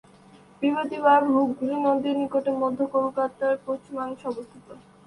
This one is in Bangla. বিবাদী বাগ হুগলি নদীর নিকটে মধ্য কলকাতার পশ্চিমাংশে অবস্থিত।